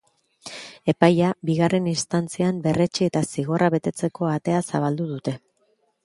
Epaia bigarren instantzian berretsi eta zigorra betetzeko atea zabaldu dute.